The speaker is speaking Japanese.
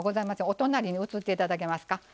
お隣に移って頂けますか。